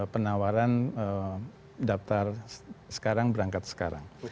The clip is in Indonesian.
penawaran daftar sekarang berangkat sekarang